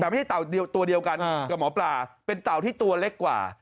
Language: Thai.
แต่ไม่ใช่เต่าตัวเดียวกันกับหมอปลาเป็นเต่าที่ตัวเล็กกว่า